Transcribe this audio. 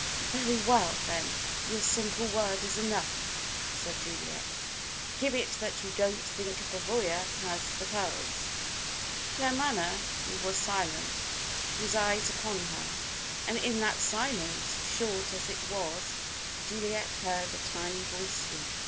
"Very well, then, your simple word is enough," said Juliet. "Give it that you don't think Pavoya has the pearls." Claremanagh was silent, his eyes upon her. And in that silence, short as it was, Juliet heard a tiny voice speak.